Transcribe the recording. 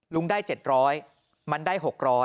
ลุงได้๗๐๐มันได้๖๐๐